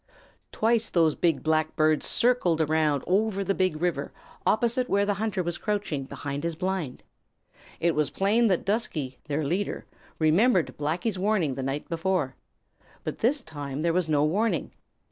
Twice those big black birds circled around over the Big River opposite where the hunter was crouching behind his blind. It was plain that Dusky, their leader, remembered Blacky's warning the night before. But this time there was no warning.